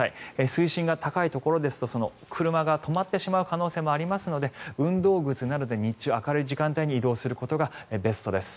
水深が高いところですと車が止まってしまう可能性もありますので運動靴などで日中明るい時間帯に避難することがベストです。